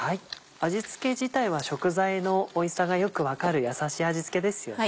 味付け自体は食材のおいしさがよく分かるやさしい味付けですよね。